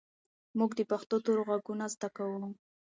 موږ د پښتو تورو غږونه زده کوو.